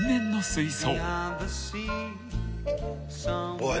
おい。